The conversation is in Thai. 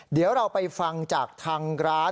เดี๋ยวเราไปฟังจากทางร้าน